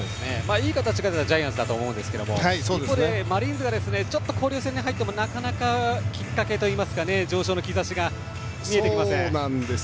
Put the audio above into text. いい形が出たのはジャイアンツだと思うんですけど一方でマリーンズがちょっと交流戦に入ってもなかなか、きっかけといいますか上昇の兆しが見えてきません。